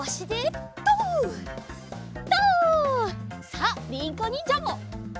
さありいこにんじゃも！